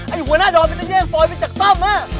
ไอ้หัวหน้าดอนไปได้แย่งปล่อยไปจากต้ม